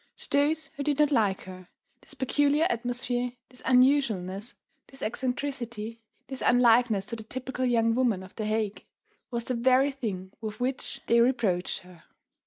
To those who did not like her, this peculiar atmosphere, this unusualness, this eccentricity, this unlikeness to the typical young woman of the Hague, was the very thing with which they reproached her.